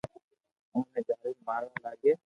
اوني جالين ماروا لاگي